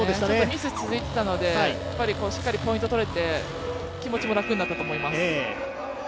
ミスが続いていたので、しっかりポイントが取れて、気持ちも楽になったと思います。